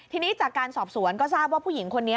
ทีนี้จากการสอบสวนก็ทราบว่าผู้หญิงคนนี้